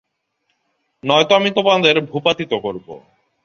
নয়তো আমি তোমাদের ভূপাতিত করবো।